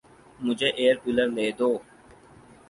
مجھے air cooler لے کر دو